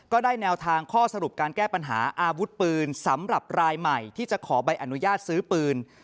ก็ได้แนวทางข้อสรุปการแก้ปัญหาอาวุธปืนสำหรับรายใหม่ที่จะขอใบอนุญาตซื้อปืน